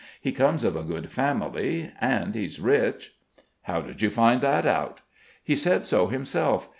He comes of a good family, and he's rich." "How did you find that out?" "He said so himself.